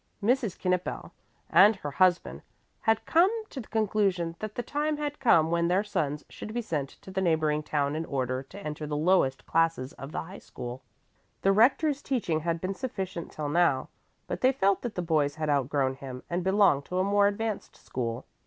Mrs. Knippel and her husband had come to the conclusion that the time had come when their sons should be sent to the neighboring town in order to enter the lowest classes of the high school. The Rector's teaching had been sufficient till now, but they felt that the boys had outgrown him and belonged to a more advanced school.